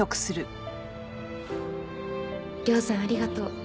「ＲＹＯさんありがとう」